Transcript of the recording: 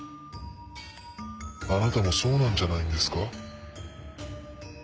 あなたもそうなんじゃないんですか？